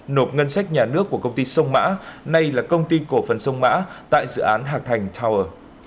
nộp ngân sách nhà nước của công ty sông mã nay là công ty cổ phần sông mã tại dự án hạc thành tower